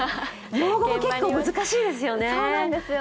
用語も結構難しいですよね。